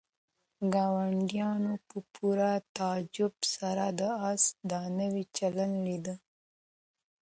ګاونډیانو په پوره تعجب سره د آس دا نوی چلند لیده.